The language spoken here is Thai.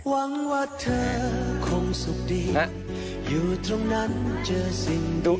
หวังว่าเธอคงสุขดีและอยู่ตรงนั้นเจอสิ่งดุ